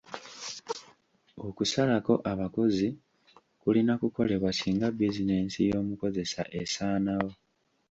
Okusalako abakozi kulina kukolebwa singa bizinensi y'omukozesa esaanawo.